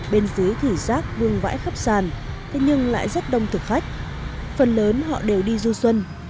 bên dưới thử rác vương vãi khắp sàn thế nhưng lại rất đông thực khách phần lớn họ đều đi du xuân